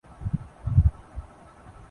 دنیا کے فیصلے دیگر قومیں کررہی ہیں۔